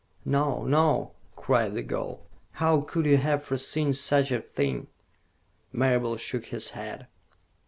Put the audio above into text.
"No, no," cried the girl. "How could you have foreseen such a thing?" Marable shook his head.